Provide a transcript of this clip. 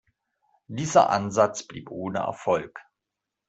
Dieser Ansatz blieb ohne Erfolg.